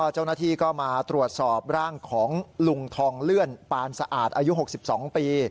เจ้าหน้าที่ก็มาตรวจสอบร่างของลุงทองเลื่อนปานสะอาดอายุ๖๒ปี